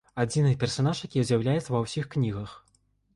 Адзіны персанаж, які з'яўляецца ва ўсіх кнігах.